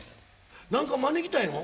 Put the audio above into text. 何か招きたいの？